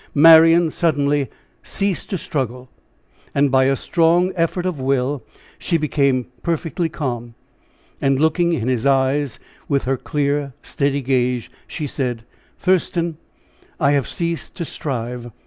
Marian suddenly ceased to struggle, and by a strong effort of will she became perfectly calm. And looking in his eyes, with her clear, steady gaze, she said: "Thurston, I have ceased to strive.